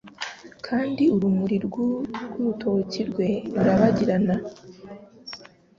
Kandi urumuri rw'urutoki rwe rurabagirana